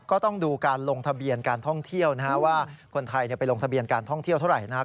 ก็ต้องดูการลงทะเบียนการท่องเที่ยวว่าคนไทยไปลงทะเบียนการท่องเที่ยวเท่าไหร่นัก